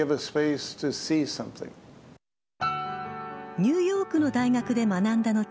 ニューヨークの大学で学んだ後